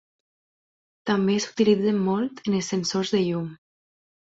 També s'utilitzen molt en els sensors de llum.